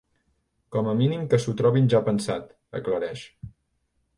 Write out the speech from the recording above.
Com a mínim que s’ho trobin ja pensat, aclareix.